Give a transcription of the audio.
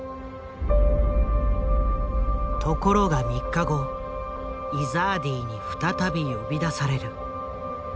ところが３日後イザーディに再び呼び出される。